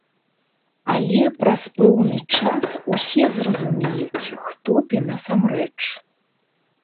Але праз пэўны час усе зразумеюць, хто ты насамрэч.